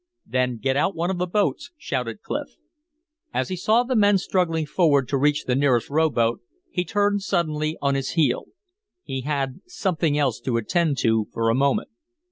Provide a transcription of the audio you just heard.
"Then get out one of the boats," shouted Clif. As he saw the men struggling forward to reach the nearest rowboat he turned suddenly on his heel. He had something else to attend to for a moment.